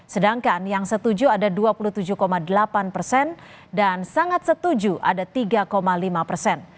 sedangkan yang setuju ada dua puluh tujuh delapan persen dan sangat setuju ada tiga lima persen